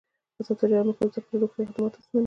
آزاد تجارت مهم دی ځکه چې روغتیا خدمات اسانوي.